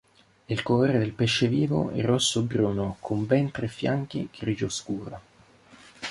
Il colore del pesce vivo è rosso bruno, con ventre e fianchi grigio scuro.